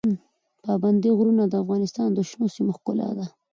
پابندی غرونه د افغانستان د شنو سیمو ښکلا ده.